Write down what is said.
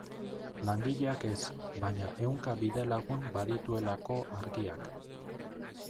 Langileak ez, baina ehunka bidelagun badituelako Argiak.